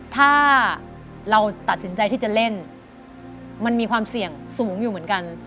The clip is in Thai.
ถ้าเราตัดสินใจที่จะเล่นมันมีความเสี่ยงสูงอยู่เหมือนกัน